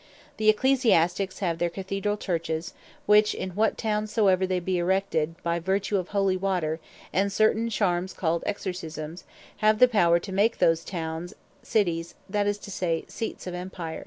The Ecclesiastiques have their Cathedral Churches; which, in what Towne soever they be erected, by vertue of Holy Water, and certain Charmes called Exorcismes, have the power to make those Townes, cities, that is to say, Seats of Empire.